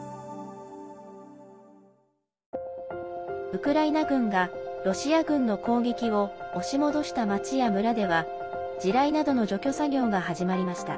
ウクライナ軍がロシア軍の攻撃を押し戻した町や村では地雷などの除去作業が始まりました。